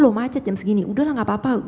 loh macet jam segini udah lah gak apa apa